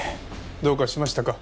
どうかしましたか？